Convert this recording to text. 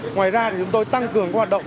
ngoài ra thì chúng tôi tăng cường hoạt động